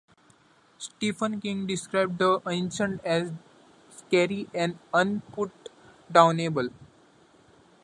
Stephen King described "The Ancient" as "Scary and unputdownable.